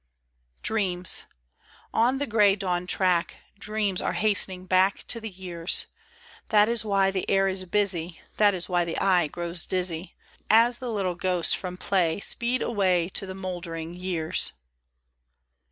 i6 DREAMS. ON the gray dawn track Dreams are hastening back To the years : That is why the air is busy, That is why the eye grows dizzy As the little ghosts from play Speed away To the mouldering years.